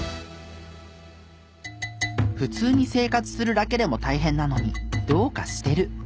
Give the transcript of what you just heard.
「普通に生活するだけでも大変なのにどうかしてる」。